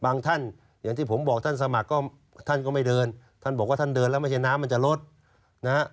ท่านอย่างที่ผมบอกท่านสมัครก็ท่านก็ไม่เดินท่านบอกว่าท่านเดินแล้วไม่ใช่น้ำมันจะลดนะฮะ